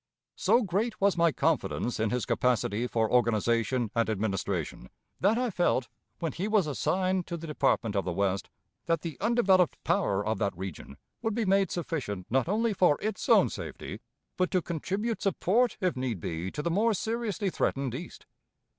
So great was my confidence in his capacity for organization and administration, that I felt, when he was assigned to the Department of the West, that the undeveloped power of that region would be made sufficient not only for its own safety, but to contribute support if need be to the more seriously threatened East.